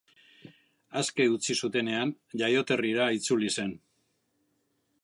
Aske utzi zutenean, jaioterrira itzuli zen.